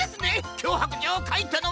きょうはくじょうをかいたのは！